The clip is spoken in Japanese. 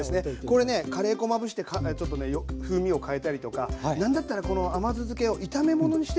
これねカレー粉まぶしてちょっとね風味を変えたりとか何だったらこの甘酢漬けを炒め物にしてもいいっすからね。